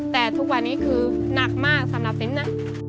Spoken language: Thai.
แต่ทุกวันนี้คือหนักมากสำหรับซิมนะ